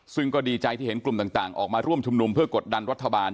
ซึ่งก็ดีใจที่เห็นกลุ่มต่างออกมาร่วมชุมนุมเพื่อกดดันรัฐบาล